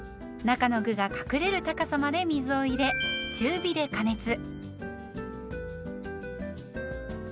中の具が隠れる高さまで水を入れ中火で加熱。